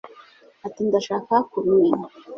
Ati Ndashaka kubimenya